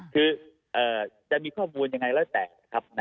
คือจะมีข้อมูลยังไงแล้วแต่นะครับ